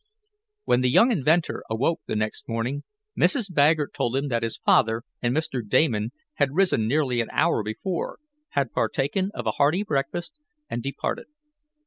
When the young inventor awoke the next morning, Mrs. Baggert told him that his father and Mr. Damon had risen nearly an hour before, had partaken of a hearty breakfast, and departed.